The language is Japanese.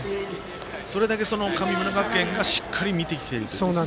それだけ神村学園が見てきていると。